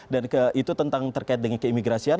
dan itu tentang terkait dengan keimigrasian